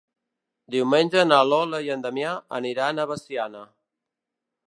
Diumenge na Lola i en Damià aniran a Veciana.